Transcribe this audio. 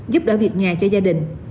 giúp đỡ việc nhà cho gia đình